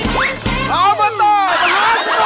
อมหาสมอง